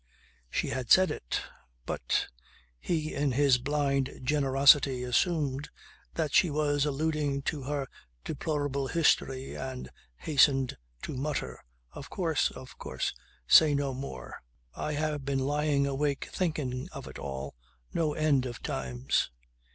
She had said it! But he in his blind generosity assumed that she was alluding to her deplorable history and hastened to mutter: "Of course! Of course! Say no more. I have been lying awake thinking of it all no end of times."